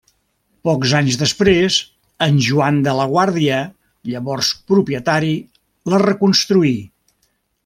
Pocs anys després en Joan de la Guàrdia, llavors propietari, la reconstruí.